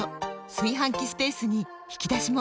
炊飯器スペースに引き出しも！